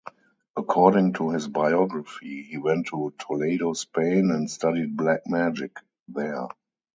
According to his biography, he went to Toledo, Spain, and studied black magic there.